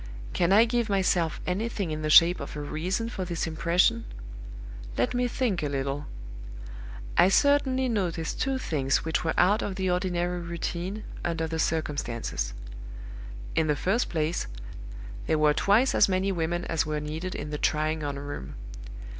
"Can I give myself anything in the shape of a reason for this impression? Let me think a little. "I certainly noticed two things which were out of the ordinary routine, under the circumstances. In the first place, there were twice as many women as were needed in the trying on room.